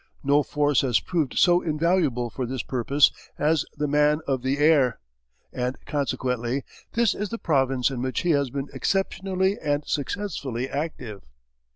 No force has proved so invaluable for this purpose as the man of the air, and consequently this is the province in which he has been exceptionally and successfully active.